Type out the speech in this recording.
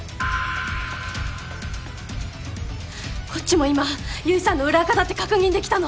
こっちも今結衣さんの裏アカだって確認できたの。